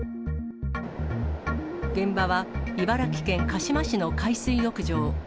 現場は茨城県鹿嶋市の海水浴場。